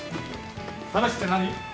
話って何？